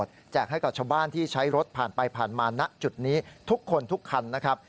แจกให้กับชาวบ้านที่ใช้รถผ่านไปผ่านมาณจุดนี้ทุกคนทุกคันนะครับ